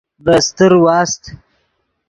ڤے استر واست۔